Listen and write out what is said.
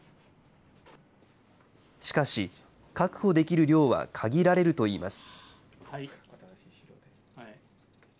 しかし、確保できる量は限られるといいます。